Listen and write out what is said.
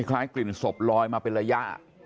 คล้ายกลิ่นศพลอยมาเป็นระยะ